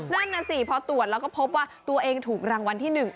นั่นน่ะสิพอตรวจแล้วก็พบว่าตัวเองถูกรางวัลที่๑